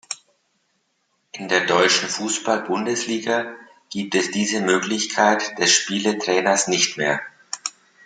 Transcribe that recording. In der deutschen Fußball-Bundesliga gibt es diese Möglichkeit des Spielertrainers nicht mehr.